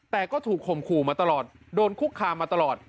แต่ก็ถูกข่มขู่มาตลอดโดนคุกคามมาตลอด